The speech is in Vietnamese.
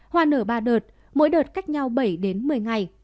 hoa nở ba đợt mỗi đợt cách nhau bảy đến một mươi ngày